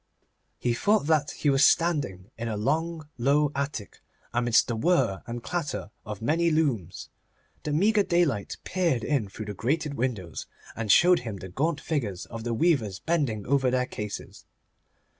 He thought that he was standing in a long, low attic, amidst the whir and clatter of many looms. The meagre daylight peered in through the grated windows, and showed him the gaunt figures of the weavers bending over their cases.